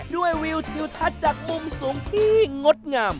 วิวทิวทัศน์จากมุมสูงที่งดงาม